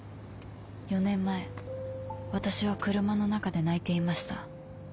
４年前私は車の中で泣いていました。